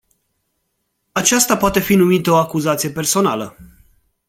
Aceasta poate fi numită o acuzație personală.